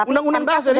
undang undang dasar ini